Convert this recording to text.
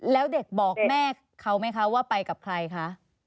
แล้วเด็กบอกแม่เขาไหมคะว่าไปกับใครคะ